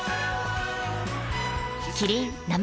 キリン「生茶」